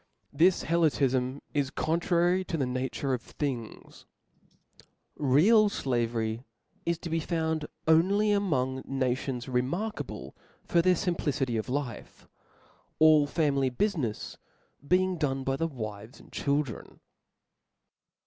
This Helotifm is contrary to the nature of things. Real flavery is to be found only among nations * remarkable for their fimplicity of life ; all family bufmefs being done by the wives and children.